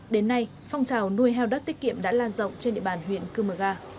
đến nay phong trào nuôi heo đất tiết kiệm đã lan rộng trên địa bàn huyện cư mờ ga